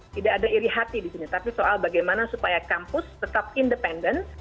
tidak ada iri hati di sini tapi soal bagaimana supaya kampus tetap independen